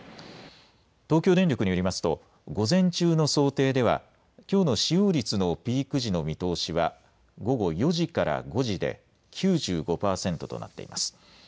東京電力によりますと午前中の想定では、きょうの使用率のピーク時の見通しは午後４時から５時で９５％となっています。